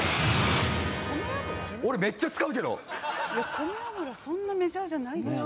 米油そんなメジャーじゃない。